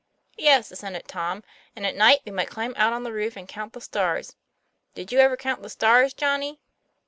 "Yes," assented Tom, "and at night we might climb out on the roof and count the stars. Did you ever count the stars, Johnny